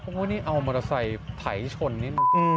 พวกนี้เอามอเตอร์ไซค์ถ่ายชนนิดหนึ่ง